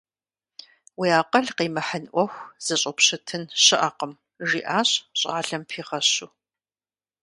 Уи акъыл къимыхьын Ӏуэху зыщӀупщытын щыӀэкъым, – жиӀащ щӀалэм пигъэщу.